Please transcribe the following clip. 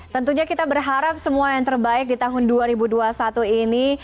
tentunya kita berharap semua yang terbaik di tahun dua lima enam tahun ini